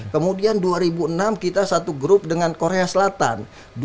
kemudian dua ribu enam kita satu grup dengan korea selatan